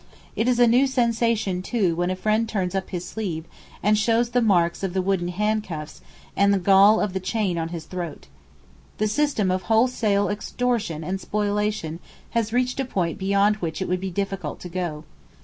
It is a new sensation too when a friend turns up his sleeve and shows the marks of the wooden handcuffs and the gall of the chain on his throat. The system of wholesale extortion and spoliation has reached a point beyond which it would be difficult to go.